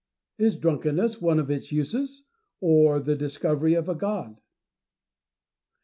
Is drunkenness one of its uses, or the dis covery of a god ?